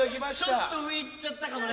ちょっと上いっちゃったかもね。